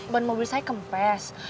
ban mobil saya kempes